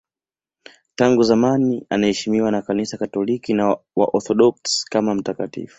Tangu zamani anaheshimiwa na Kanisa Katoliki na Waorthodoksi kama mtakatifu.